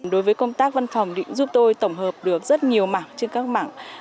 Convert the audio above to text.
đối với công tác văn phòng giúp tôi tổng hợp được rất nhiều mảng trên các mảng